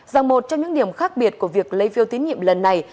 rằng một trong những điểm khác biệt của việc lấy phiêu tiến nhiệm lần này